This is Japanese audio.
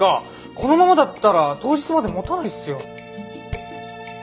このままだったら当日までもたないっすよ。